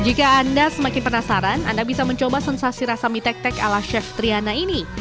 jika anda semakin penasaran anda bisa mencoba sensasi rasa mie tek tek ala chef triana ini